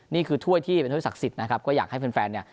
นี่คือถ้วยที่เป็นถ้วยศักดิ์สิทธิ์นะครับก็อยากให้เพื่อนแฟนเนี้ย